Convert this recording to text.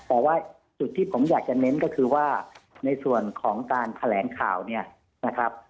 แต่ว่าจุดที่ผมอยากจะเน้นก็คือว่าในส่วนของการแถลงข่าวเนี่ยนะครับ